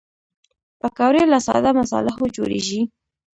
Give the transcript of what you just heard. پکورې له ساده مصالحو جوړېږي